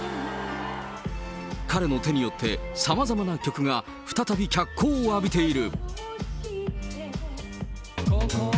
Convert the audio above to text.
彼の手によって、さまざまな曲が再び脚光を浴びている。